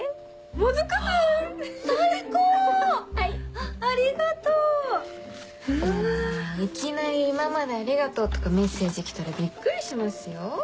もういきなり「今までありがとう」とかメッセージ来たらビックリしますよ。